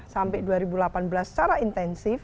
sampai dua ribu delapan belas secara intensif